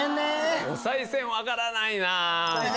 おさい銭分からないな。